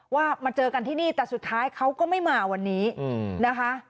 ว่ามาเจอกันที่นี่แต่สุดท้ายเขาก็ไม่มาวันนี้นะคะ